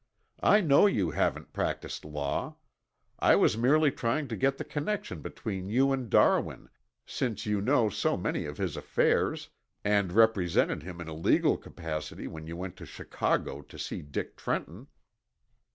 "I know you haven't practised law. I was merely trying to get the connection between you and Darwin, since you know so many of his affairs and represented him in a legal capacity when you went to Chicago to see Dick Trenton."